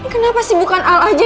kenapa sih bukan al aja